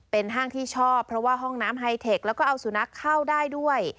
เป็นห้างที่ชอบเพราะว่าห้องน้ำไฮเทคแล้วก็เอาสุนัขเข้าได้ด้วย